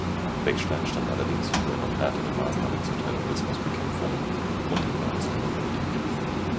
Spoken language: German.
Beckstein stand allerdings für noch härtere Maßnahmen zur Terrorismusbekämpfung und in der Ausländerpolitik.